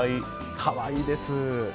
かわいいです。